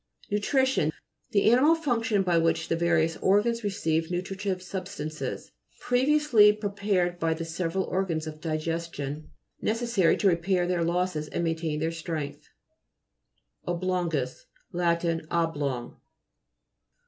NOTRI'TION The animal function by which the various organs receive nutritive substances (previously pre pared by the several organs of di gestion), necessary to repair their losses and maintain their strength. OBLO'NGUS Lat. Oblong.